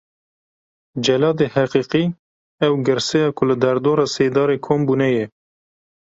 Celadê heqîqî ew girseya ku li derdora sêdarê kom bûne ye.